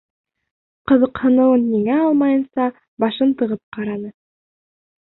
Ҡыҙыҡһыныуын еңә алмайынса башын тығып ҡараны.